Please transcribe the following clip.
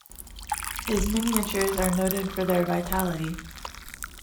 His miniatures are noted for their vitality.